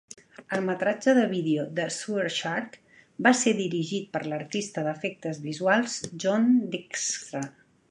El metratge de vídeo de "Sewer Shark" va ser dirigit per l'artista d'efectes visuals John Dykstra.